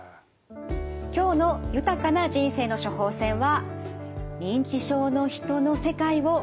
今日の豊かな人生の処方せんは。でした。